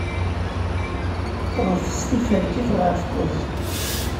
Ḍfes tiferkit ɣef kuẓ.